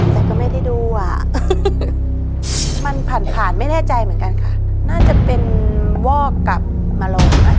แต่ก็ไม่ได้ดูอ่ะมันผ่านผ่านไม่แน่ใจเหมือนกันค่ะน่าจะเป็นวอกกลับมาลองนะ